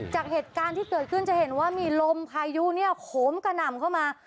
จากเหตุการณ์ที่เกิดขึ้นจะเห็นว่ามีลมพายุเนี่ยโขมกระหน่ำเข้ามา